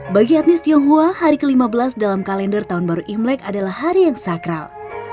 bagi etnis tionghoa hari ke lima belas dalam kalender tahun baru imlek adalah hari yang sakral